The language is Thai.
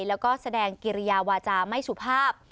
แล้วก็แสดงกิริยาวาจาไม่สุภาพ